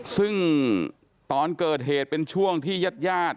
ซึ่งตอนเกิดเหตุเป็นช่วงที่ยาด